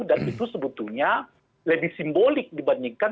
itu sebetulnya lebih simbolik dibandingkan